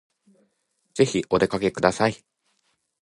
ぜひお出かけください